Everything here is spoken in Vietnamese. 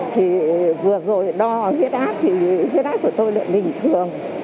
thì vừa rồi đo huyết ác thì huyết ác của tôi lại bình thường